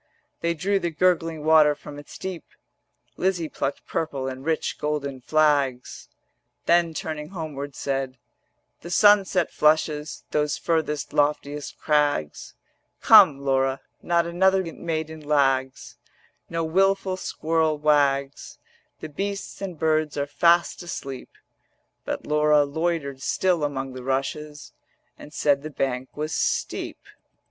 They drew the gurgling water from its deep; Lizzie plucked purple and rich golden flags, 220 Then turning homeward said: 'The sunset flushes Those furthest loftiest crags; Come, Laura, not another maiden lags, No wilful squirrel wags, The beasts and birds are fast asleep.' But Laura loitered still among the rushes And said the bank was steep.